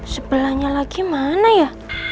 sebelahnya lagi mana ya